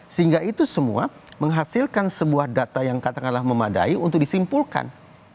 sehingga itu semua menghasilkan sebuah data yang katakanlah memadai untuk disimpulkan